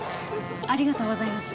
ありがとうございます。